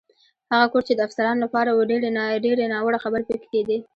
هغه کور چې د افسرانو لپاره و، ډېرې ناوړه خبرې پکې کېدې.